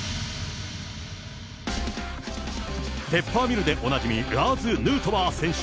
ペッパーミルでおなじみ、ラーズ・ヌートバー選手。